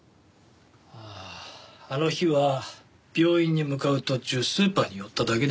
あああの日は病院に向かう途中スーパーに寄っただけです。